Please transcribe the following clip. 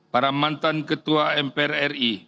para mantan ketua mpr ri